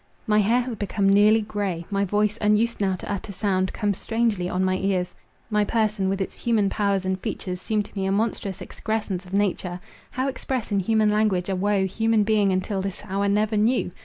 My hair has become nearly grey—my voice, unused now to utter sound, comes strangely on my ears. My person, with its human powers and features, seem to me a monstrous excrescence of nature. How express in human language a woe human being until this hour never knew!